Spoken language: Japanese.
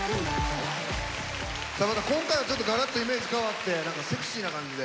さあまた今回はちょっとガラッとイメージ変わってセクシーな感じで。